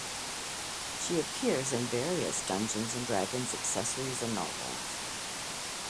She appears in various Dungeons and Dragons accessories and novels.